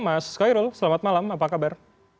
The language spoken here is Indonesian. mas khairul selamat malam apa kabar